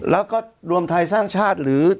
แล้วก็รวมไทยสร้างชาติหรือ